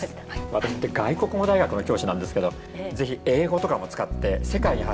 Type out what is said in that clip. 私外国語大学の教師なんですけど是非英語とかも使って世界に発信してください。